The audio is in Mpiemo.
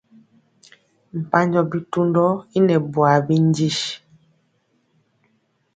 Mpanjɔ bitundɔ i nɛ bwaa bindi.